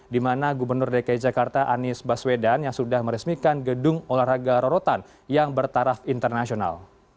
di mana gubernur dki jakarta anies baswedan yang sudah meresmikan gedung olahraga rorotan yang bertaraf internasional